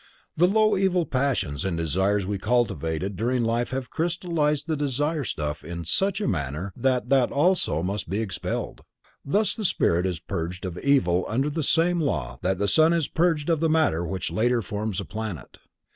The low evil passions and desires we cultivated during life have crystallized the desire stuff in such a manner that that also must be expelled. Thus the spirit is purged of evil under the same law that a sun is purged of the matter which later forms a planet.